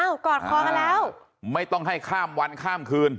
กอดคอกันแล้วไม่ต้องให้ข้ามวันข้ามคืน